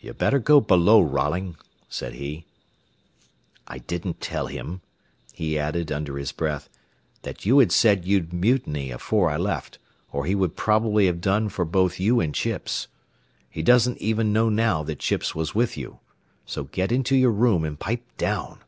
"You better go below, Rolling," said he. "I didn't tell him," he added under his breath, "that you had said you'd mutiny afore I left, or he would probably have done for both you and Chips. He doesn't even know now that Chips was with you, so get into your room and pipe down."